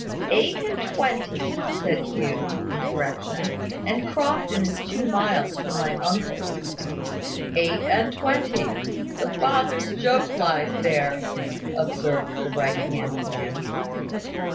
"Eight and twenty," said Hugh, in correction; "and Crofton is two miles from my uncle's." "Eight and twenty. The father's joke lies there," observed the right hand man.